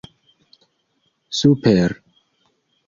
super